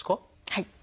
はい。